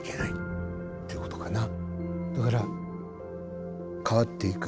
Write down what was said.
だから変わっていく。